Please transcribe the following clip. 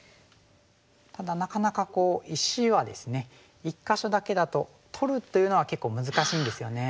ただなかなか石はですね１か所だけだと取るというのは結構難しいんですよね。